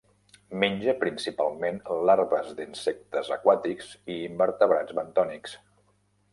Menja principalment larves d'insectes aquàtics i invertebrats bentònics.